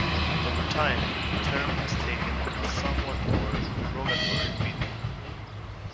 Over time, the term has taken on a somewhat more derogatory meaning.